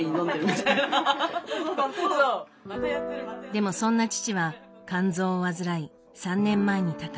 でもそんな父は肝臓を患い３年前に他界。